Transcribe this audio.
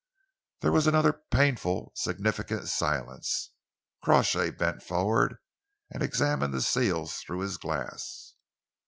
There was another painful, significant silence. Crawshay bent forward and examined the seals through his glass.